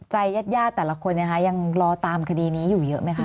ญาติญาติแต่ละคนยังรอตามคดีนี้อยู่เยอะไหมคะ